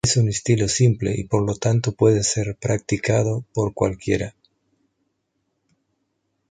Es un estilo simple y por lo tanto puede ser practicado por cualquiera.